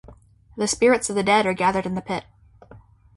The spirits of the dead are gathered in the pit.